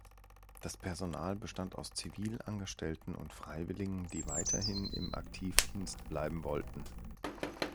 Das Personal bestand aus Zivilangestellten und Freiwilligen, die weiterhin im Aktivdienst bleiben wollten.